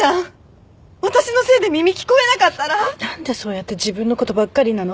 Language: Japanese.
何でそうやって自分のことばっかりなの？